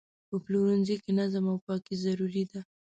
په پلورنځي کې نظم او پاکي ضروري ده.